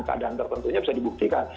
keadaan tertentunya bisa dibuktikan